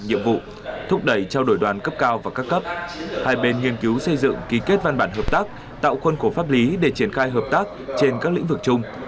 nhiệm vụ thúc đẩy trao đổi đoàn cấp cao và các cấp hai bên nghiên cứu xây dựng ký kết văn bản hợp tác tạo khuôn khổ pháp lý để triển khai hợp tác trên các lĩnh vực chung